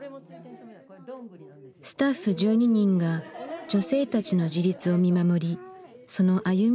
スタッフ１２人が女性たちの自立を見守りその歩みにつきあう。